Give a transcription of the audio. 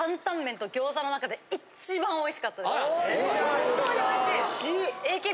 本当においしい。